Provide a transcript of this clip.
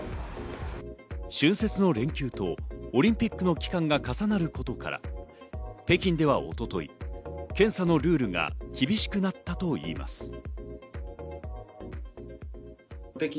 春節の連休とオリンピックの期間が重なることから、北京では一昨日、検査のルールが厳しくなったといいます。